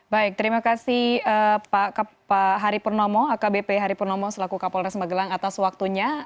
baik terima kasih pak haripurnomo akbp haripurnomo selaku kapolres magelang atas waktunya